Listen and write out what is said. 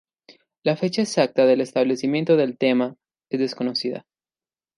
La fecha exacta del establecimiento del thema es desconocida.